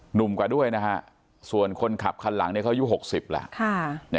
หนุ่มกว่าด้วยนะฮะส่วนคนขับคันหลังเขาอายุ๖๐แล้ว